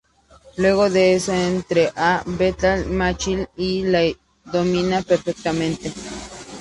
Luego de eso, entra a "Battle Machine" y la domina perfectamente.